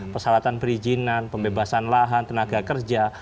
persyaratan perizinan pembebasan lahan tenaga kerja